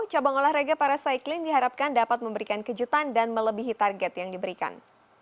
cabang olahraga para cycling diharapkan dapat memberikan kejutan dan melebihi target yang diberikan